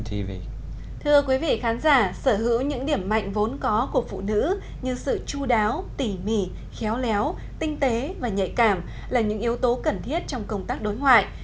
thưa quý vị khán giả sở hữu những điểm mạnh vốn có của phụ nữ như sự chú đáo tỉ mỉ khéo léo tinh tế và nhạy cảm là những yếu tố cần thiết trong công tác đối ngoại